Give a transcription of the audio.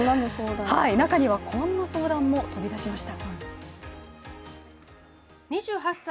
中にはこんな相談も飛び出しました。